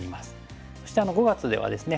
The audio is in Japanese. そして５月ではですね